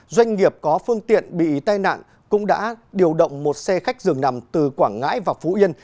doanh nghiệp có phương tiện bị tai nạn cũng đã điều động một xe khách dường nằm từ quảng ngãi và phú yên